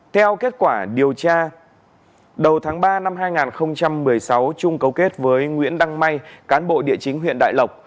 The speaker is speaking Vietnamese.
theo kết quả điều tra đầu tháng ba năm hai nghìn một mươi sáu trung cấu kết với nguyễn đăng may cán bộ địa chính huyện đại lộc